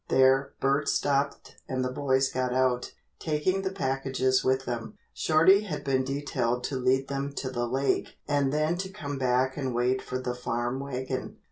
There Bert stopped and the boys got out, taking the packages with them. Shorty had been detailed to lead them to the lake and then to come back and wait for the farm wagon.